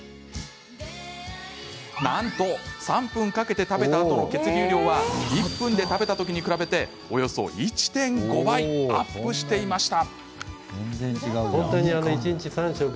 なんと、３分かけて食べたあとの血流量は１分で食べた時に比べておよそ１．５倍アップしていました。